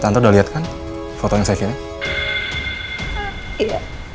santo udah lihat kan foto yang saya kirim